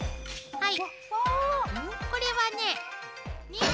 はい。